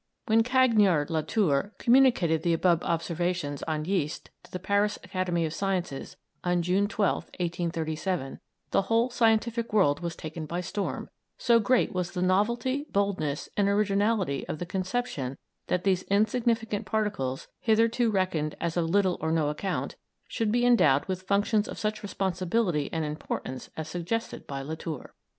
When Cagniard Latour communicated the above observations on yeast to the Paris Academy of Sciences on June 12, 1837, the whole scientific world was taken by storm, so great was the novelty, boldness, and originality of the conception that these insignificant particles, hitherto reckoned as of little or no account, should be endowed with functions of such responsibility and importance as suggested by Latour.